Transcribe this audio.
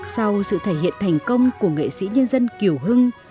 sau sự thể hiện thành công của nghệ sĩ nhân dân kiều hưng